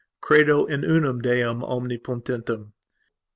Credo in unum Deum omnipotentem."